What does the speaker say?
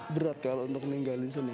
berat kalau untuk meninggalin seni